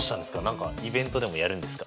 何かイベントでもやるんですか？